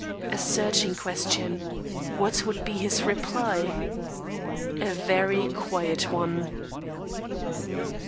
A searching question. What would be his reply? A very quiet one.